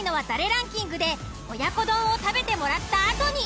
ランキングで親子丼を食べてもらったあとに。